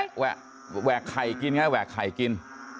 แหวกไข่กินไงแหวกไข่กิน